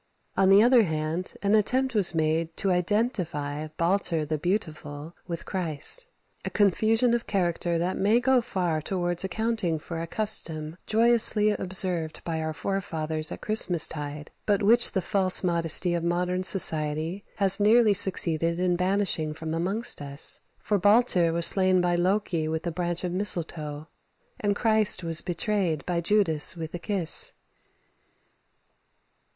On the other hand, an attempt was made to identify Balda "the beautiful" with Christ a confusion of character that may go far towards accounting for a custom joyously observed by our forefathers at Christmastide but which the false modesty of modern society has nearly succeeded in banishing from amongst us, for Balda was slain by Loké with a branch of mistletoe, and Christ was betrayed by Judas with a kiss. [Footnote 1: Milman, History of Latin Christianity, iii. 267; ix. 65.] 27.